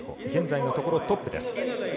現在のところ、トップです。